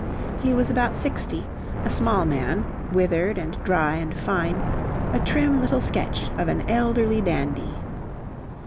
He was about sixty; a small man, withered and dry and fine, a trim little sketch of an elderly dandy.